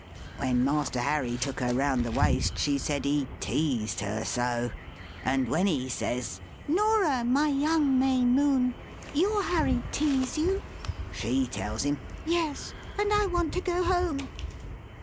When Master Harry took her round the waist, she said he "teased her so;" and when he says, "Norah, my young May Moon, your Harry tease you?" she tells him, "Yes; and I want to go home!"